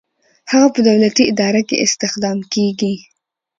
هغه په دولتي اداره کې استخدام کیږي.